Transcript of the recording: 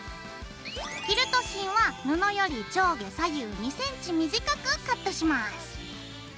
キルト芯は布より上下左右２ｃｍ短くカットします。